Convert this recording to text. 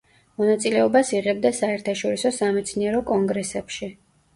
მონაწილეობას იღებდა საერთაშორისო სამეცნიერო კონგრესებში.